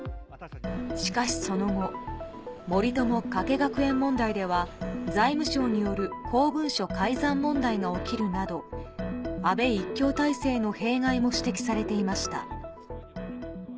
しかしその後、森友・加計学園問題では、財務省による公文書改ざん問題が起きるなど、安倍一強体制の弊害も指摘されていました。